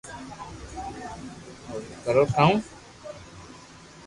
ئر ڪرو ڪا و